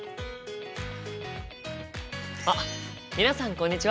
あっ皆さんこんにちは！